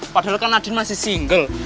padahal kan nadin masih single